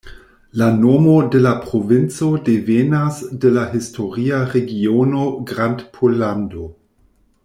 La nomo de la provinco devenas de la historia regiono Grandpollando.